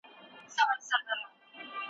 دوراني پانګي په بازار کي چټک حرکت کړی و.